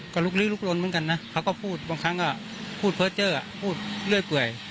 ก็ลุกลี้ลุกลนเหมือนกันนะเขาก็พูดบางครั้งก็พูดเพอร์เจอร์พูดเรื่อยเปื่อย